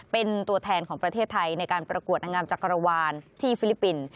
เป็นตัวแทนของประเทศไทยในการประกวดนางงามจักรวาลที่ฟิลิปปินส์